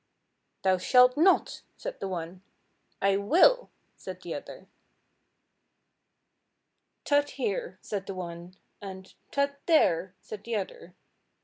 "Thou shalt not," said the one. "I will," said the other. "Tut here," said the one, and "Tut there," said the other.